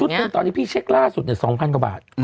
ถึงตอนนี้พี่เช็คล่าสุด๒๐๐กว่าบาท